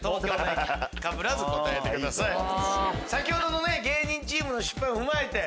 先ほどの芸人チームの失敗も踏まえて。